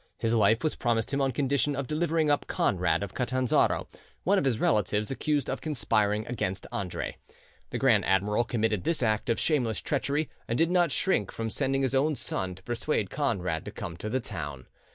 His life was promised him on condition of his delivering up Conrad of Catanzaro, one of his relatives, accused of conspiring against Andre. The grand admiral committed this act of shameless treachery, and did not shrink from sending his own son to persuade Conrad to come to the town.